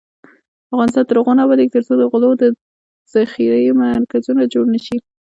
افغانستان تر هغو نه ابادیږي، ترڅو د غلو د ذخیرې مرکزونه جوړ نشي.